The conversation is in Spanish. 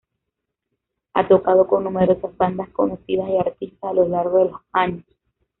Ha tocado con numerosas bandas conocidas y artistas a lo largo de los años.